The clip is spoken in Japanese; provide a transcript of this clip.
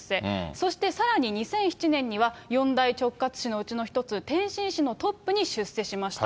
そしてさらに２００７年には、四大直轄市の一つ、天津市のトップに出世しました。